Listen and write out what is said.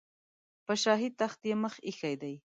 په شاهي تخت یې مخ ایښی دی.